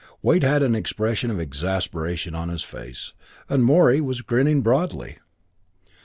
Wade had an expression of exasperation on his face, and Morey was grinning broadly.